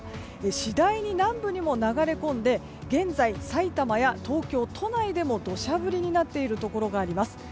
次第に南部にも流れ込んで現在、埼玉や東京都内でも土砂降りになっているところがあります。